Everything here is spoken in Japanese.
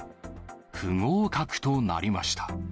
不合格となりました。